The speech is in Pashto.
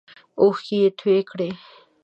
اوښکې یې تویی کړې.